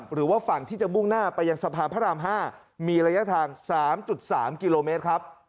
หรือว่าฝั่งที่จะมุ่งหน้าไปยังสะพานพระราม๕มีระยะทาง๓๓กิโลเมตรครับ